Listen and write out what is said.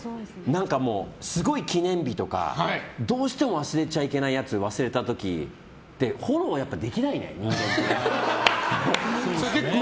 すごい記念日とかどうしても忘れちゃいけないやつ忘れた時ってフォローできないね、人間は。